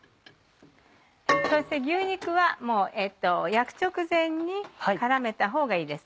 そして牛肉は焼く直前に絡めたほうがいいです。